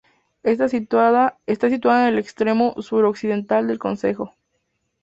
Está situada en el extremo suroccidental del concejo.